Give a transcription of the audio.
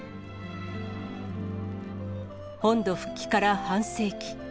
本土復帰から半世紀。